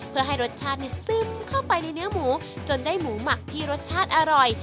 เพื่อให้รสชาติซึมเข้าไปในเนื้อหมูจนได้หมูหมักที่รสชาติอร่อย